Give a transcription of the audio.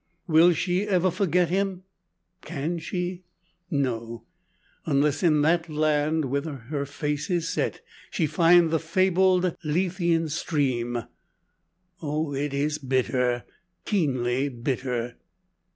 Will she ever forget him? Can she? No; unless in that land, whither her face is set, she find the fabled Lethean stream. Oh! it is bitter keenly bitter!